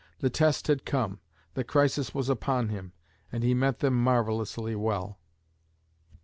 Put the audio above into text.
The test had come, the crisis was upon him; and he met them marvelously well.